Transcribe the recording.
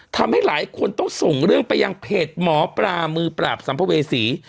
ทำให้หลายคนต้องส่งเรื่องไปยังเพจหมอปลามือปราบสัมภเวษี